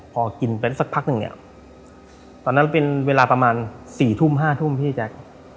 พอกินไปสักพักหนึ่งเนี่ยตอนนั้นเป็นเวลาประมาณ๔ทุ่ม๕ทุ่มพี่แจ๊ค